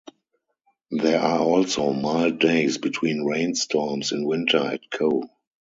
There are also mild days between rainstorms in winter at Coe.